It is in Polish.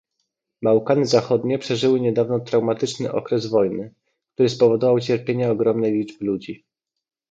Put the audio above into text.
Bałkany Zachodnie przeżyły niedawno traumatyczny okres wojny, który spowodował cierpienia ogromnej liczby ludzi